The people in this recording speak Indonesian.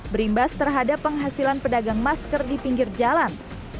berimbas terhadap penghasilan pedagang masker di pinggir jalan